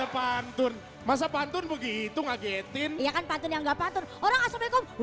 pantun masa pantun begitu ngagetin ya kan pantun yang gak pantun orang assalamualaikum